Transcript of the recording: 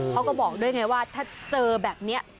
เขาก็บอกด้วยไงว่าถ้าเจอแบบนี้